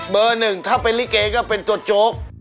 เบอร์หนึ่งถ้าเป็นลิเกย์ก็เป็นตรวจโจ๊ก